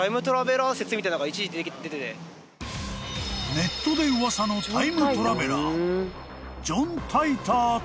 ［ネットで噂のタイムトラベラー］